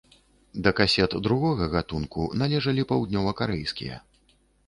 Да касет другога гатунку належалі паўднёвакарэйскія.